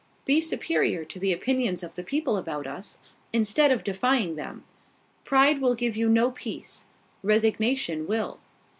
Be superior to the opinions of the people about us, instead of defying them. Pride will give you no peace: resignation will."